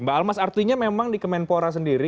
mbak almas artinya memang di kemenpora sendiri